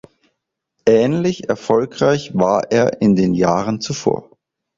Ähnlich erfolgreich war er in den Jahren zuvor.